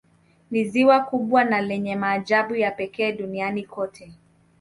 Ni ziwa kubwa na lenye maajabu ya pekee Duniani kote